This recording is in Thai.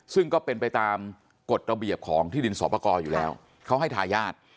ซึ่งก็เป็นไปตามกฎระเบียบของที่ดินสอบประกอบอยู่แล้วเขาให้ทายาท